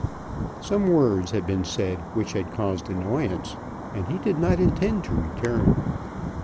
Some words had been said which had caused annoyance, and he did not intend to return.